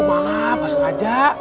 maaf pasang aja